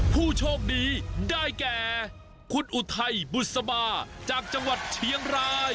ผู้โชคดีได้แก่คุณอุทัยบุษบาจากจังหวัดเชียงราย